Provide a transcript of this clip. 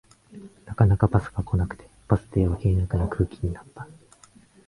なかなかバスが来なくてバス停は険悪な空気になった